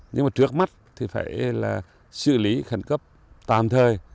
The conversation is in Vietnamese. nhưng mà trước mắt thì phải là xử lý khẩn cấp tạm thời